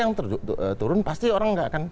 yang turun pasti orang nggak akan